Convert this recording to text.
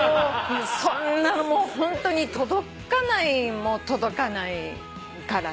そんなのもうホントに届かないも届かないからね。